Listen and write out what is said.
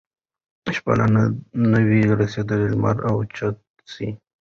شپه لا نه وي رسېدلې لمر اوچت وي